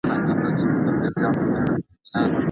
ایا بهرني سوداګر کاغذي بادام صادروي؟